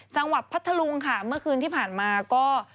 จังหวัดพัทธรุงค่ะเมื่อคืนที่ผ่านมาก็